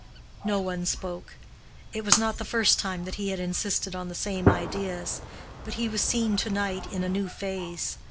No one spoke. It was not the first time that he had insisted on the same ideas, but he was seen to night in a new phase.